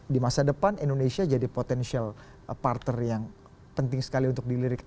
di masa depan indonesia jadi potensial partner yang penting sekali untuk dilirik